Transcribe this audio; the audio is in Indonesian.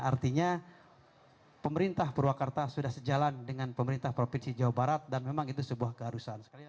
artinya pemerintah purwakarta sudah sejalan dengan pemerintah provinsi jawa barat dan memang itu sebuah keharusan